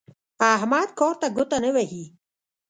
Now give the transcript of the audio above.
احمد کار ته ګوته نه وهي.